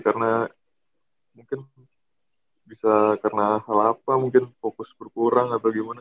karena mungkin bisa karena hal apa mungkin fokus berkurang atau gimana